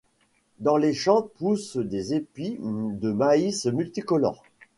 Dans les champs poussent des épis de maïs multicolores.